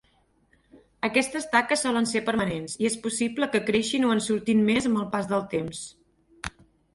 Aquestes taques solen ser permanents, i és possible que creixin o en surtin més amb el pas del temps.